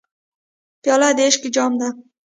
پیاله د عشق جام ده.